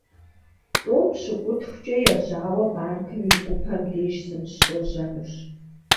ТIум пщыкIутхукIэ ежьауэ банкым и гупэм деж сыныщожьэнущ.